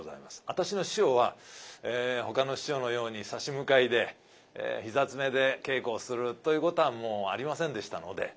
私の師匠はほかの師匠のように差し向かいで膝詰めで稽古をするということはもうありませんでしたので。